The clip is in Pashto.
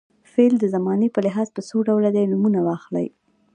فعل د زمانې په لحاظ په څو ډوله دی نومونه واخلئ.